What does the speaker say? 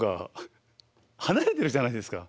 離れてるじゃないですか。